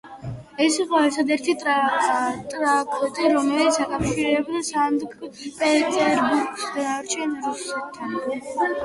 ეს იყო ერთადერთი ტრაქტი, რომელიც აკავშირებდა სანქტ-პეტერბურგს დანარჩენ რუსეთთან.